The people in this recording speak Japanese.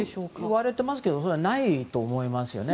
いわれてますけどないと思いますね。